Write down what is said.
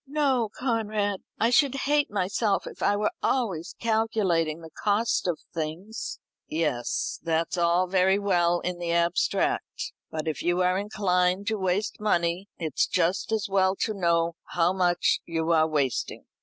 "No, Conrad; I should hate myself if I were always calculating the cost of things." "Yes, that's all very well in the abstract. But if you are inclined to waste money, it's just as well to know how much you are wasting.